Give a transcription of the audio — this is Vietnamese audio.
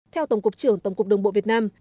theo tổng cục trưởng tổng cục đường bộ việt nam